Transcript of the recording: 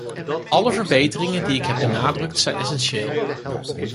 Alle verbeteringen die ik heb benadrukt, zijn essentieel.